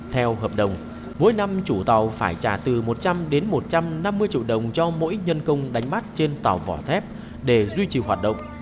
theo hợp đồng mỗi năm chủ tàu phải trả từ một trăm linh đến một trăm năm mươi triệu đồng cho mỗi nhân công đánh bắt trên tàu vỏ thép để duy trì hoạt động